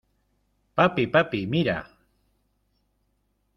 ¡ papi! ¡ papi, mira !